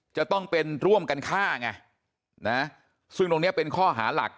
จะต้องเป็นร่วมกันฆ่าไงนะซึ่งตรงนี้เป็นข้อหาหลัก